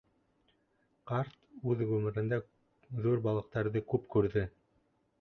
Ҡарт үҙ ғүмерендә ҙур балыҡтарҙы күп күрҙе.